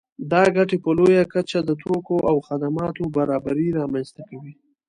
دا ګټې په لویه کچه د توکو او خدماتو برابري رامنځته کوي